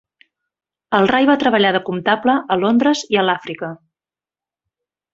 El Ray va treballar de comptable a Londres i a l'Àfrica.